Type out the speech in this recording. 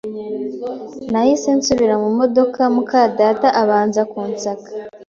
Nahise nsubira mu modoka, mukadata abanza kunsaka